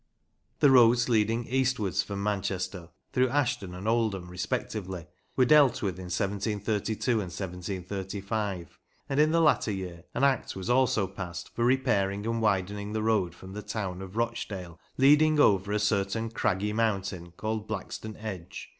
The roads leading eastwards from Manchester, through Ashton and Oldham respec tively, were dealt with in 1732 and 1735, and in the latter year an Act was also passed " for repairing and widening the road from the town of Rochdale ... leading over a certain craggy mountain called Blackstone Edge